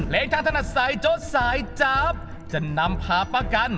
เลขทาธนัดสายโจทย์สายจาบจะนำพาประกัน